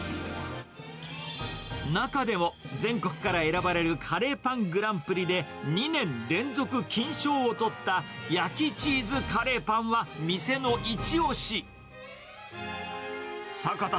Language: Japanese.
中でも、全国から選ばれるカレーパングランプリで２年連続金賞を取った焼きチーズカレーパンは、店のいち押し。